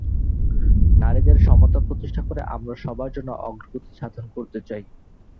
নারীদের সমতা প্রতিষ্ঠা করে আমরা সবার জন্য অগ্রগতি সাধন করতে চাই।